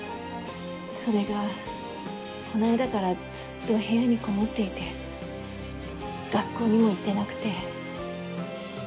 それがこの間からずっと部屋にこもっていて学校にも行ってなくて。